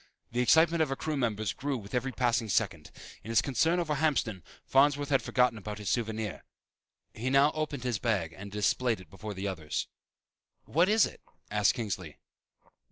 The excitement of her crew members grew with every passing second. In his concern over Hamston, Farnsworth had forgotten about his souvenir. He now opened his bag and displayed it before the others. "What is it?" asked Kingsley.